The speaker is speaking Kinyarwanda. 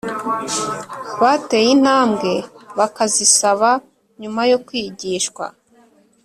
Bateye intambwe bakazisaba nyuma yo kwigishwa